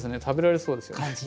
食べられそうですよね。